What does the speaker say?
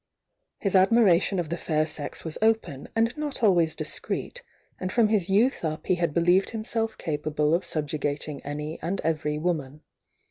His admiration of the fair sex was open and not always h S' "^Ifr"™ h« youth up he had believed himsdf capable of subjugatmg any and every wom an.